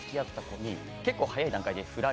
結構早い段階で。